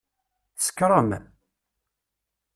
Tsekṛem?